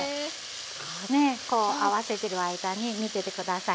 合わせてる間に見てて下さい。